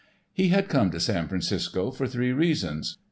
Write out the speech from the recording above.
He had come to San Francisco for three reasons.